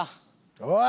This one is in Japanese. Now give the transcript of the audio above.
おい！